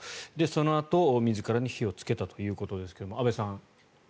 そのあと、自らに火をつけたということですけども安部さん。